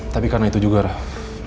tapi karena itu juga rah